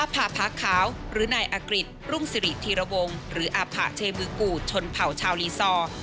อภาพาขาวหรือนายอกฤษรุ่งสิริธิระวงหรืออภาเชมูกุชนเผาชาวลีซอร์